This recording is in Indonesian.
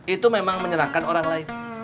itu memang menyerahkan orang lain